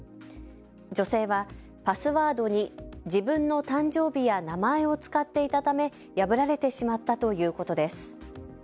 女性はパスワードに自分の誕生日や名前を使っていたため破られてしまったということです。